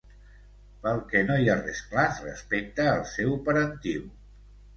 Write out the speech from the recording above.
Pel que no hi ha res clar respecte al seu parentiu.